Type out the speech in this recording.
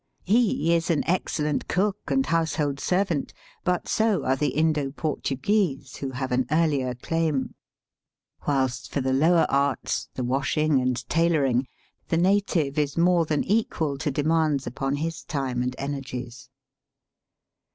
He is an excellent cook and household servant ; but so are the Indo Portuguese, who have an earlier claim ; whilst Digitized by VjOOQIC 172 EAST BY WEST. for the lower arts, the washing and tailoring, the native is more than equal to demands upon his time and energies.